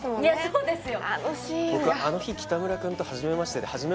そうですよ